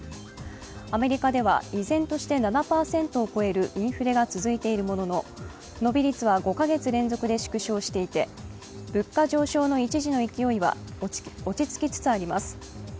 アメリカでは依然として７％を超えるインフレが続いているものの伸び率は５か月連続で縮小していて物価上昇の一時の勢いは落ち着きつつあります。